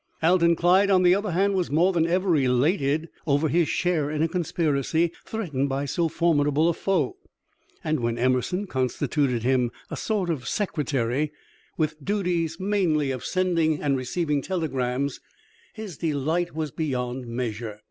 Alton Clyde, on the other hand, was more than ever elated over his share in a conspiracy threatened by so formidable a foe; and when Emerson constituted him a sort of secretary, with duties mainly of sending and receiving telegrams, his delight was beyond measure.